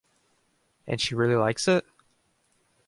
And she really likes it?